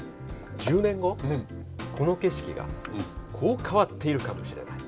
１０年後この景色がこう変わっているかもしれない。